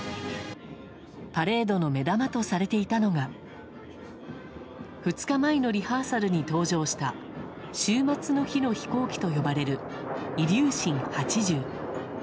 パレードの目玉とされていたのが２日前のリハーサルに登場した終末の日の飛行機と呼ばれるイリューシン８０。